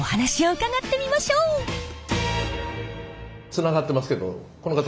つながってますけどこの方